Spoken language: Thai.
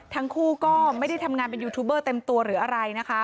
ทั้งคู่ก็ไม่ได้ทำงานเป็นยูทูบเบอร์เต็มตัวหรืออะไรนะคะ